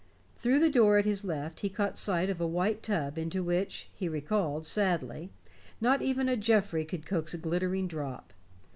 Through the door at his left he caught sight of a white tub into which, he recalled sadly, not even a Geoffrey could coax a glittering drop.